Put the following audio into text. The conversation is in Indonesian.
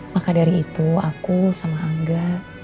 maka dari itu aku sama angga